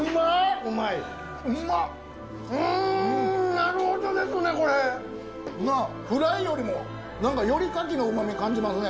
なるほどですねこれフライよりも何かより牡蠣の旨味感じますね